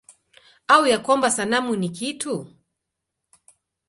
Au ya kwamba sanamu ni kitu?